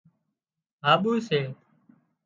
هاٻو سي